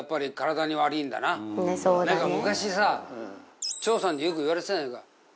なんか昔さ長さんによく言われてたじゃないか。